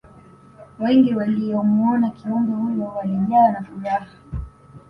wengi waliyomuona kiumbe huyo walijawa na furaha